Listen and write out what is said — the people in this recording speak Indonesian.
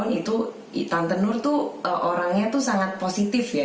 pak sandi lebih sedau itu tante nur tuh orangnya tuh sangat positif ya